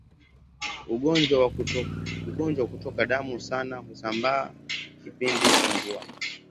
Ugonjwa wa kutoka damu sana husambaa kipindi cha mvua